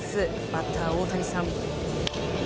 バッター、大谷さん。